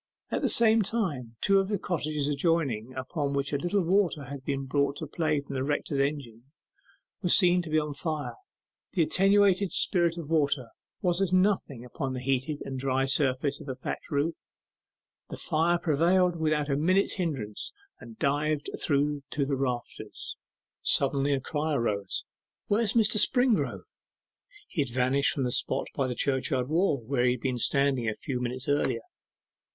At the same time two of the cottages adjoining, upon which a little water had been brought to play from the rector's engine, were seen to be on fire. The attenuated spirt of water was as nothing upon the heated and dry surface of the thatched roof; the fire prevailed without a minute's hindrance, and dived through to the rafters. Suddenly arose a cry, 'Where's Mr. Springrove?' He had vanished from the spot by the churchyard wall, where he had been standing a few minutes earlier.